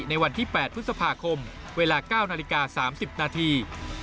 ในวันที่๘พฤษภาคมเวลา๙นาฬิกา๓๐นาที